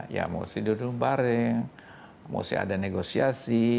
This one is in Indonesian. ya mesti duduk bareng mesti ada negosiasi